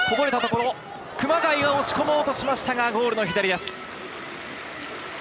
熊谷が押し込もうとしましたが、ゴール左。